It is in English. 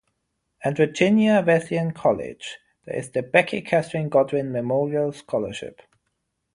At Virginia Wesleyan College, there is the Becky Katherine Godwin Memorial Scholarship.